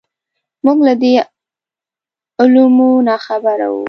موږ له دې علومو ناخبره وو.